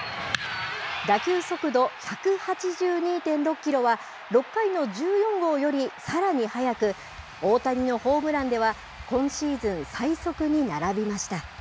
打球速度１８２．６キロは６回の１４号よりさらに速く、大谷のホームランでは、今シーズン最速に並びました。